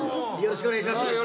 よろしくお願いします。